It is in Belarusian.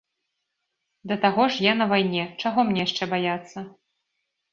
Да таго ж я на вайне, чаго мне яшчэ баяцца?